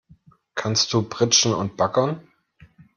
Kannst du pritschen und baggern?